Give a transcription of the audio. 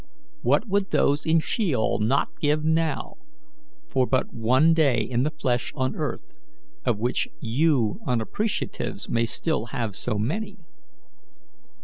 What would those in sheol not give now for but one day in the flesh on earth, of which you unappreciatives may still have so many?